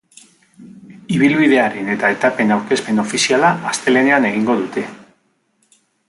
Ibilbidearen eta etapen aurkezpen ofiziala astelehenean egingo dute.